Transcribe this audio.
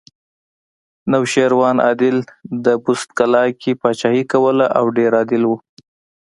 نوشیروان عادل د بست کلا کې پاچاهي کوله او ډېر عادل و